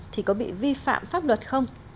thì có bị vi phạm pháp luật không